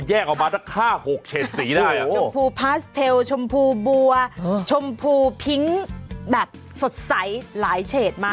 ออกมาสัก๕๖เฉดสีได้ชมพูพาสเทลชมพูบัวชมพูพิ้งแบบสดใสหลายเฉดมาก